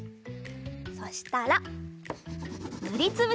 そしたらぬりつぶします。